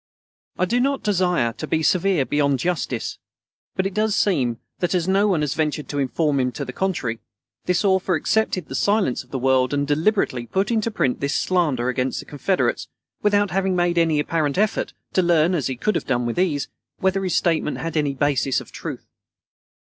_" I do not desire to be severe beyond justice; but it does seem that as no one ventured to inform him to the contrary, this author accepted the silence of the world and deliberately put into print this slander against the Confederates without having made any apparent effort to learn, as he could have done with ease, whether his statement had any basis of truth.